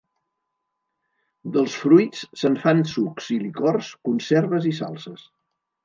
Dels fruits se’n fan sucs i licors, conserves i salses.